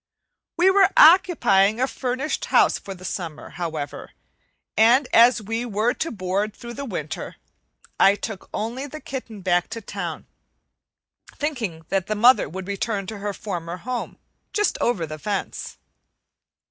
We were occupying a furnished house for the summer, however, and as we were to board through the winter, I took only the kitten back to town, thinking the mother would return to her former home, just over the fence.